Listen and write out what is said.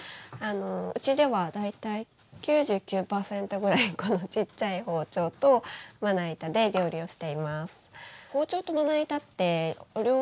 うちでは大体９９％ぐらいこのちっちゃい包丁とまな板で料理をしています。